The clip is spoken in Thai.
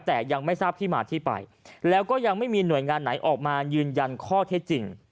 แต่ยังไม่ทราบที่มาที่ไปแล้วก็ยังไม่มีหน่วยงานไหนออกมายืนยันข้อเท็จจริง